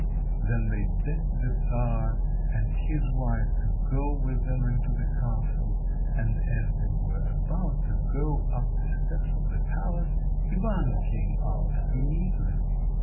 Then they begged the Czar and his wife to go with them into the castle, and as they were about to go up the steps of the palace, Ivan came out to meet them.